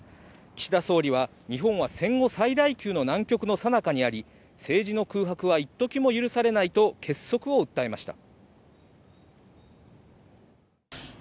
岸田総理は日本は戦後最大級の難局の最中にあり、政治の空白は一時も許されないと結束を訴えました。